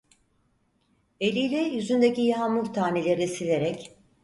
Eliyle yüzündeki yağmur tanelerini silerek: